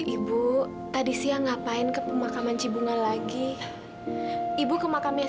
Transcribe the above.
ibu ada yang ibu pengen ceritain sama kamu